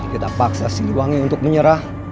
kita paksa siliwangi untuk menyerah